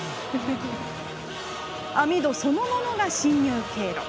網戸そのものが侵入経路。